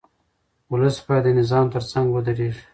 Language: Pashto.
ولس باید د نظام ترڅنګ ودرېږي.